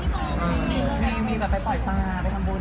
ใช่ทีนี้ก็เป็นพี่เป็นน้อง